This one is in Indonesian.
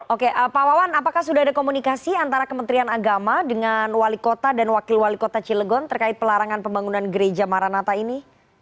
oke pak wawan apakah sudah ada komunikasi antara kementerian agama dengan wali kota dan wakil wali kota cilegon terkait pelarangan pembangunan gereja maranata ini